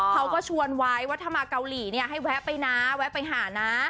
เขาก็ชวนไว้ว่าถ้ามาเกาหลีเนี่ยให้แวะไปนะแวะไปหานะ